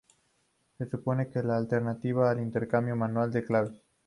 Supone una alternativa al intercambio manual de claves.